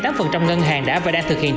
hai mươi tám ngân hàng đã và đang thực hiện